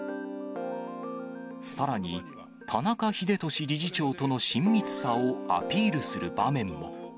さらに、田中英壽理事長との親密さをアピールする場面も。